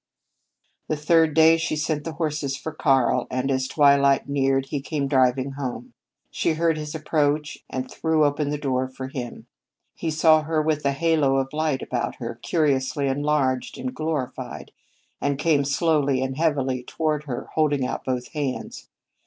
The third day she sent the horses for Karl, and as twilight neared, he came driving home. She heard his approach and threw open the door for him. He saw her with a halo of light about her, curiously enlarged and glorified, and came slowly and heavily toward her, holding out both hands.